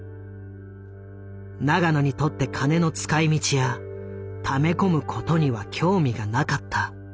永野にとって金の使いみちやため込むことには興味がなかった。